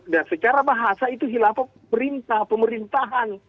dan secara bahasa itu hilafah perintah pemerintahan